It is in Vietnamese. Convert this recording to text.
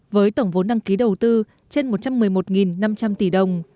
với tổng vốn đăng ký đầu tư trên một trăm một mươi một năm trăm linh tỷ đồng